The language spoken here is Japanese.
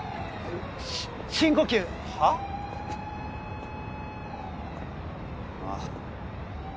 深呼吸はあ？